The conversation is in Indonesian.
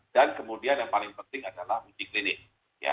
dan kemudian yang paling penting adalah uji klinik